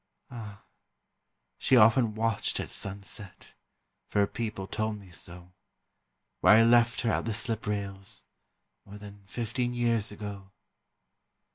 Ah! she often watched at sunset For her people told me so Where I left her at the slip rails More than fifteen years ago.